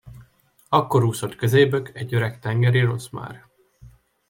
Akkor úszott közébök egy öreg tengeri rozmár.